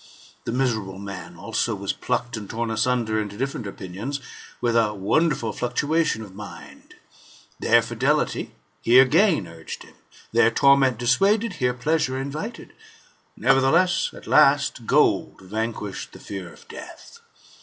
The miserable man, also, was plucked and torn asunder into different opinions, with a wonderful fluctuation of mind. There fidelity, here gain urged him; there torment dissuaded, here pleasure invited. Nevertheless, at last, gold vanquished the fear of death.